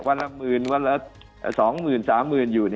วันละ๑๐๐๐๐วันละ๒๐๐๐๐๓๐๐๐๐อยู่